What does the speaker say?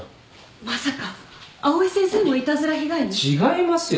まさか藍井先生もいたずら被害に？違いますよ。